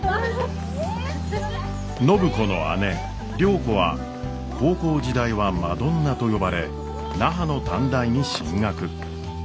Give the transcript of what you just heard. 暢子の姉良子は高校時代はマドンナと呼ばれ那覇の短大に進学。